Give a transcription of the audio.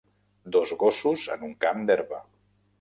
Dos gossos en un camp d'herba.